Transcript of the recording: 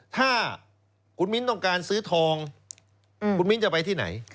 ถ้าคุณมิ้นต้องการซื้อทองคุณมิ้นจะไปที่ไหน